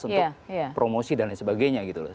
untuk promosi dan lain sebagainya gitu loh